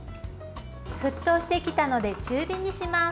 沸騰してきたので中火にします。